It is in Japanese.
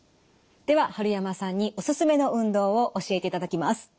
では春山さんにおすすめの運動を教えていただきます。